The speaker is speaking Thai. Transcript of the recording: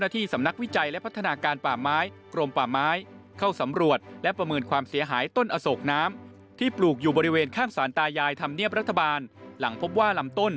ทำเนียบรัฐบาลหลังพบว่าลำต้น